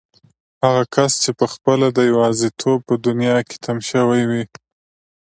هغه کس چې پخپله د يوازيتوب په دنيا کې تم شوی وي.